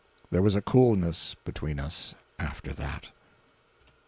There was a coolness between us after that.